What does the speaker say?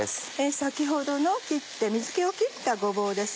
先ほどの水気を切ったごぼうです。